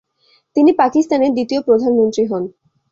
তিনি পাকিস্তানের দ্বিতীয় প্রধানমন্ত্রী হন।